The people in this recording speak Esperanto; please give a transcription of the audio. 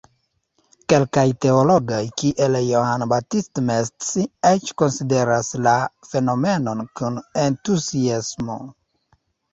Kelkaj teologoj, kiel Johann Baptist Metz, eĉ konsideras la fenomenon kun entuziasmo.